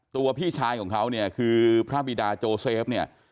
พี่ชายของเขาเนี่ยคือพระบิดาโจเซฟเนี่ย